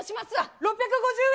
６５０円。